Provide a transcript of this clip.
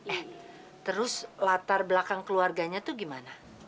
eh terus latar belakang keluarganya tuh gimana